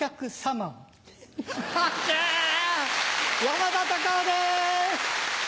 山田隆夫です。